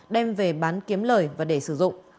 đem về bán kiếm lời và để sử dụng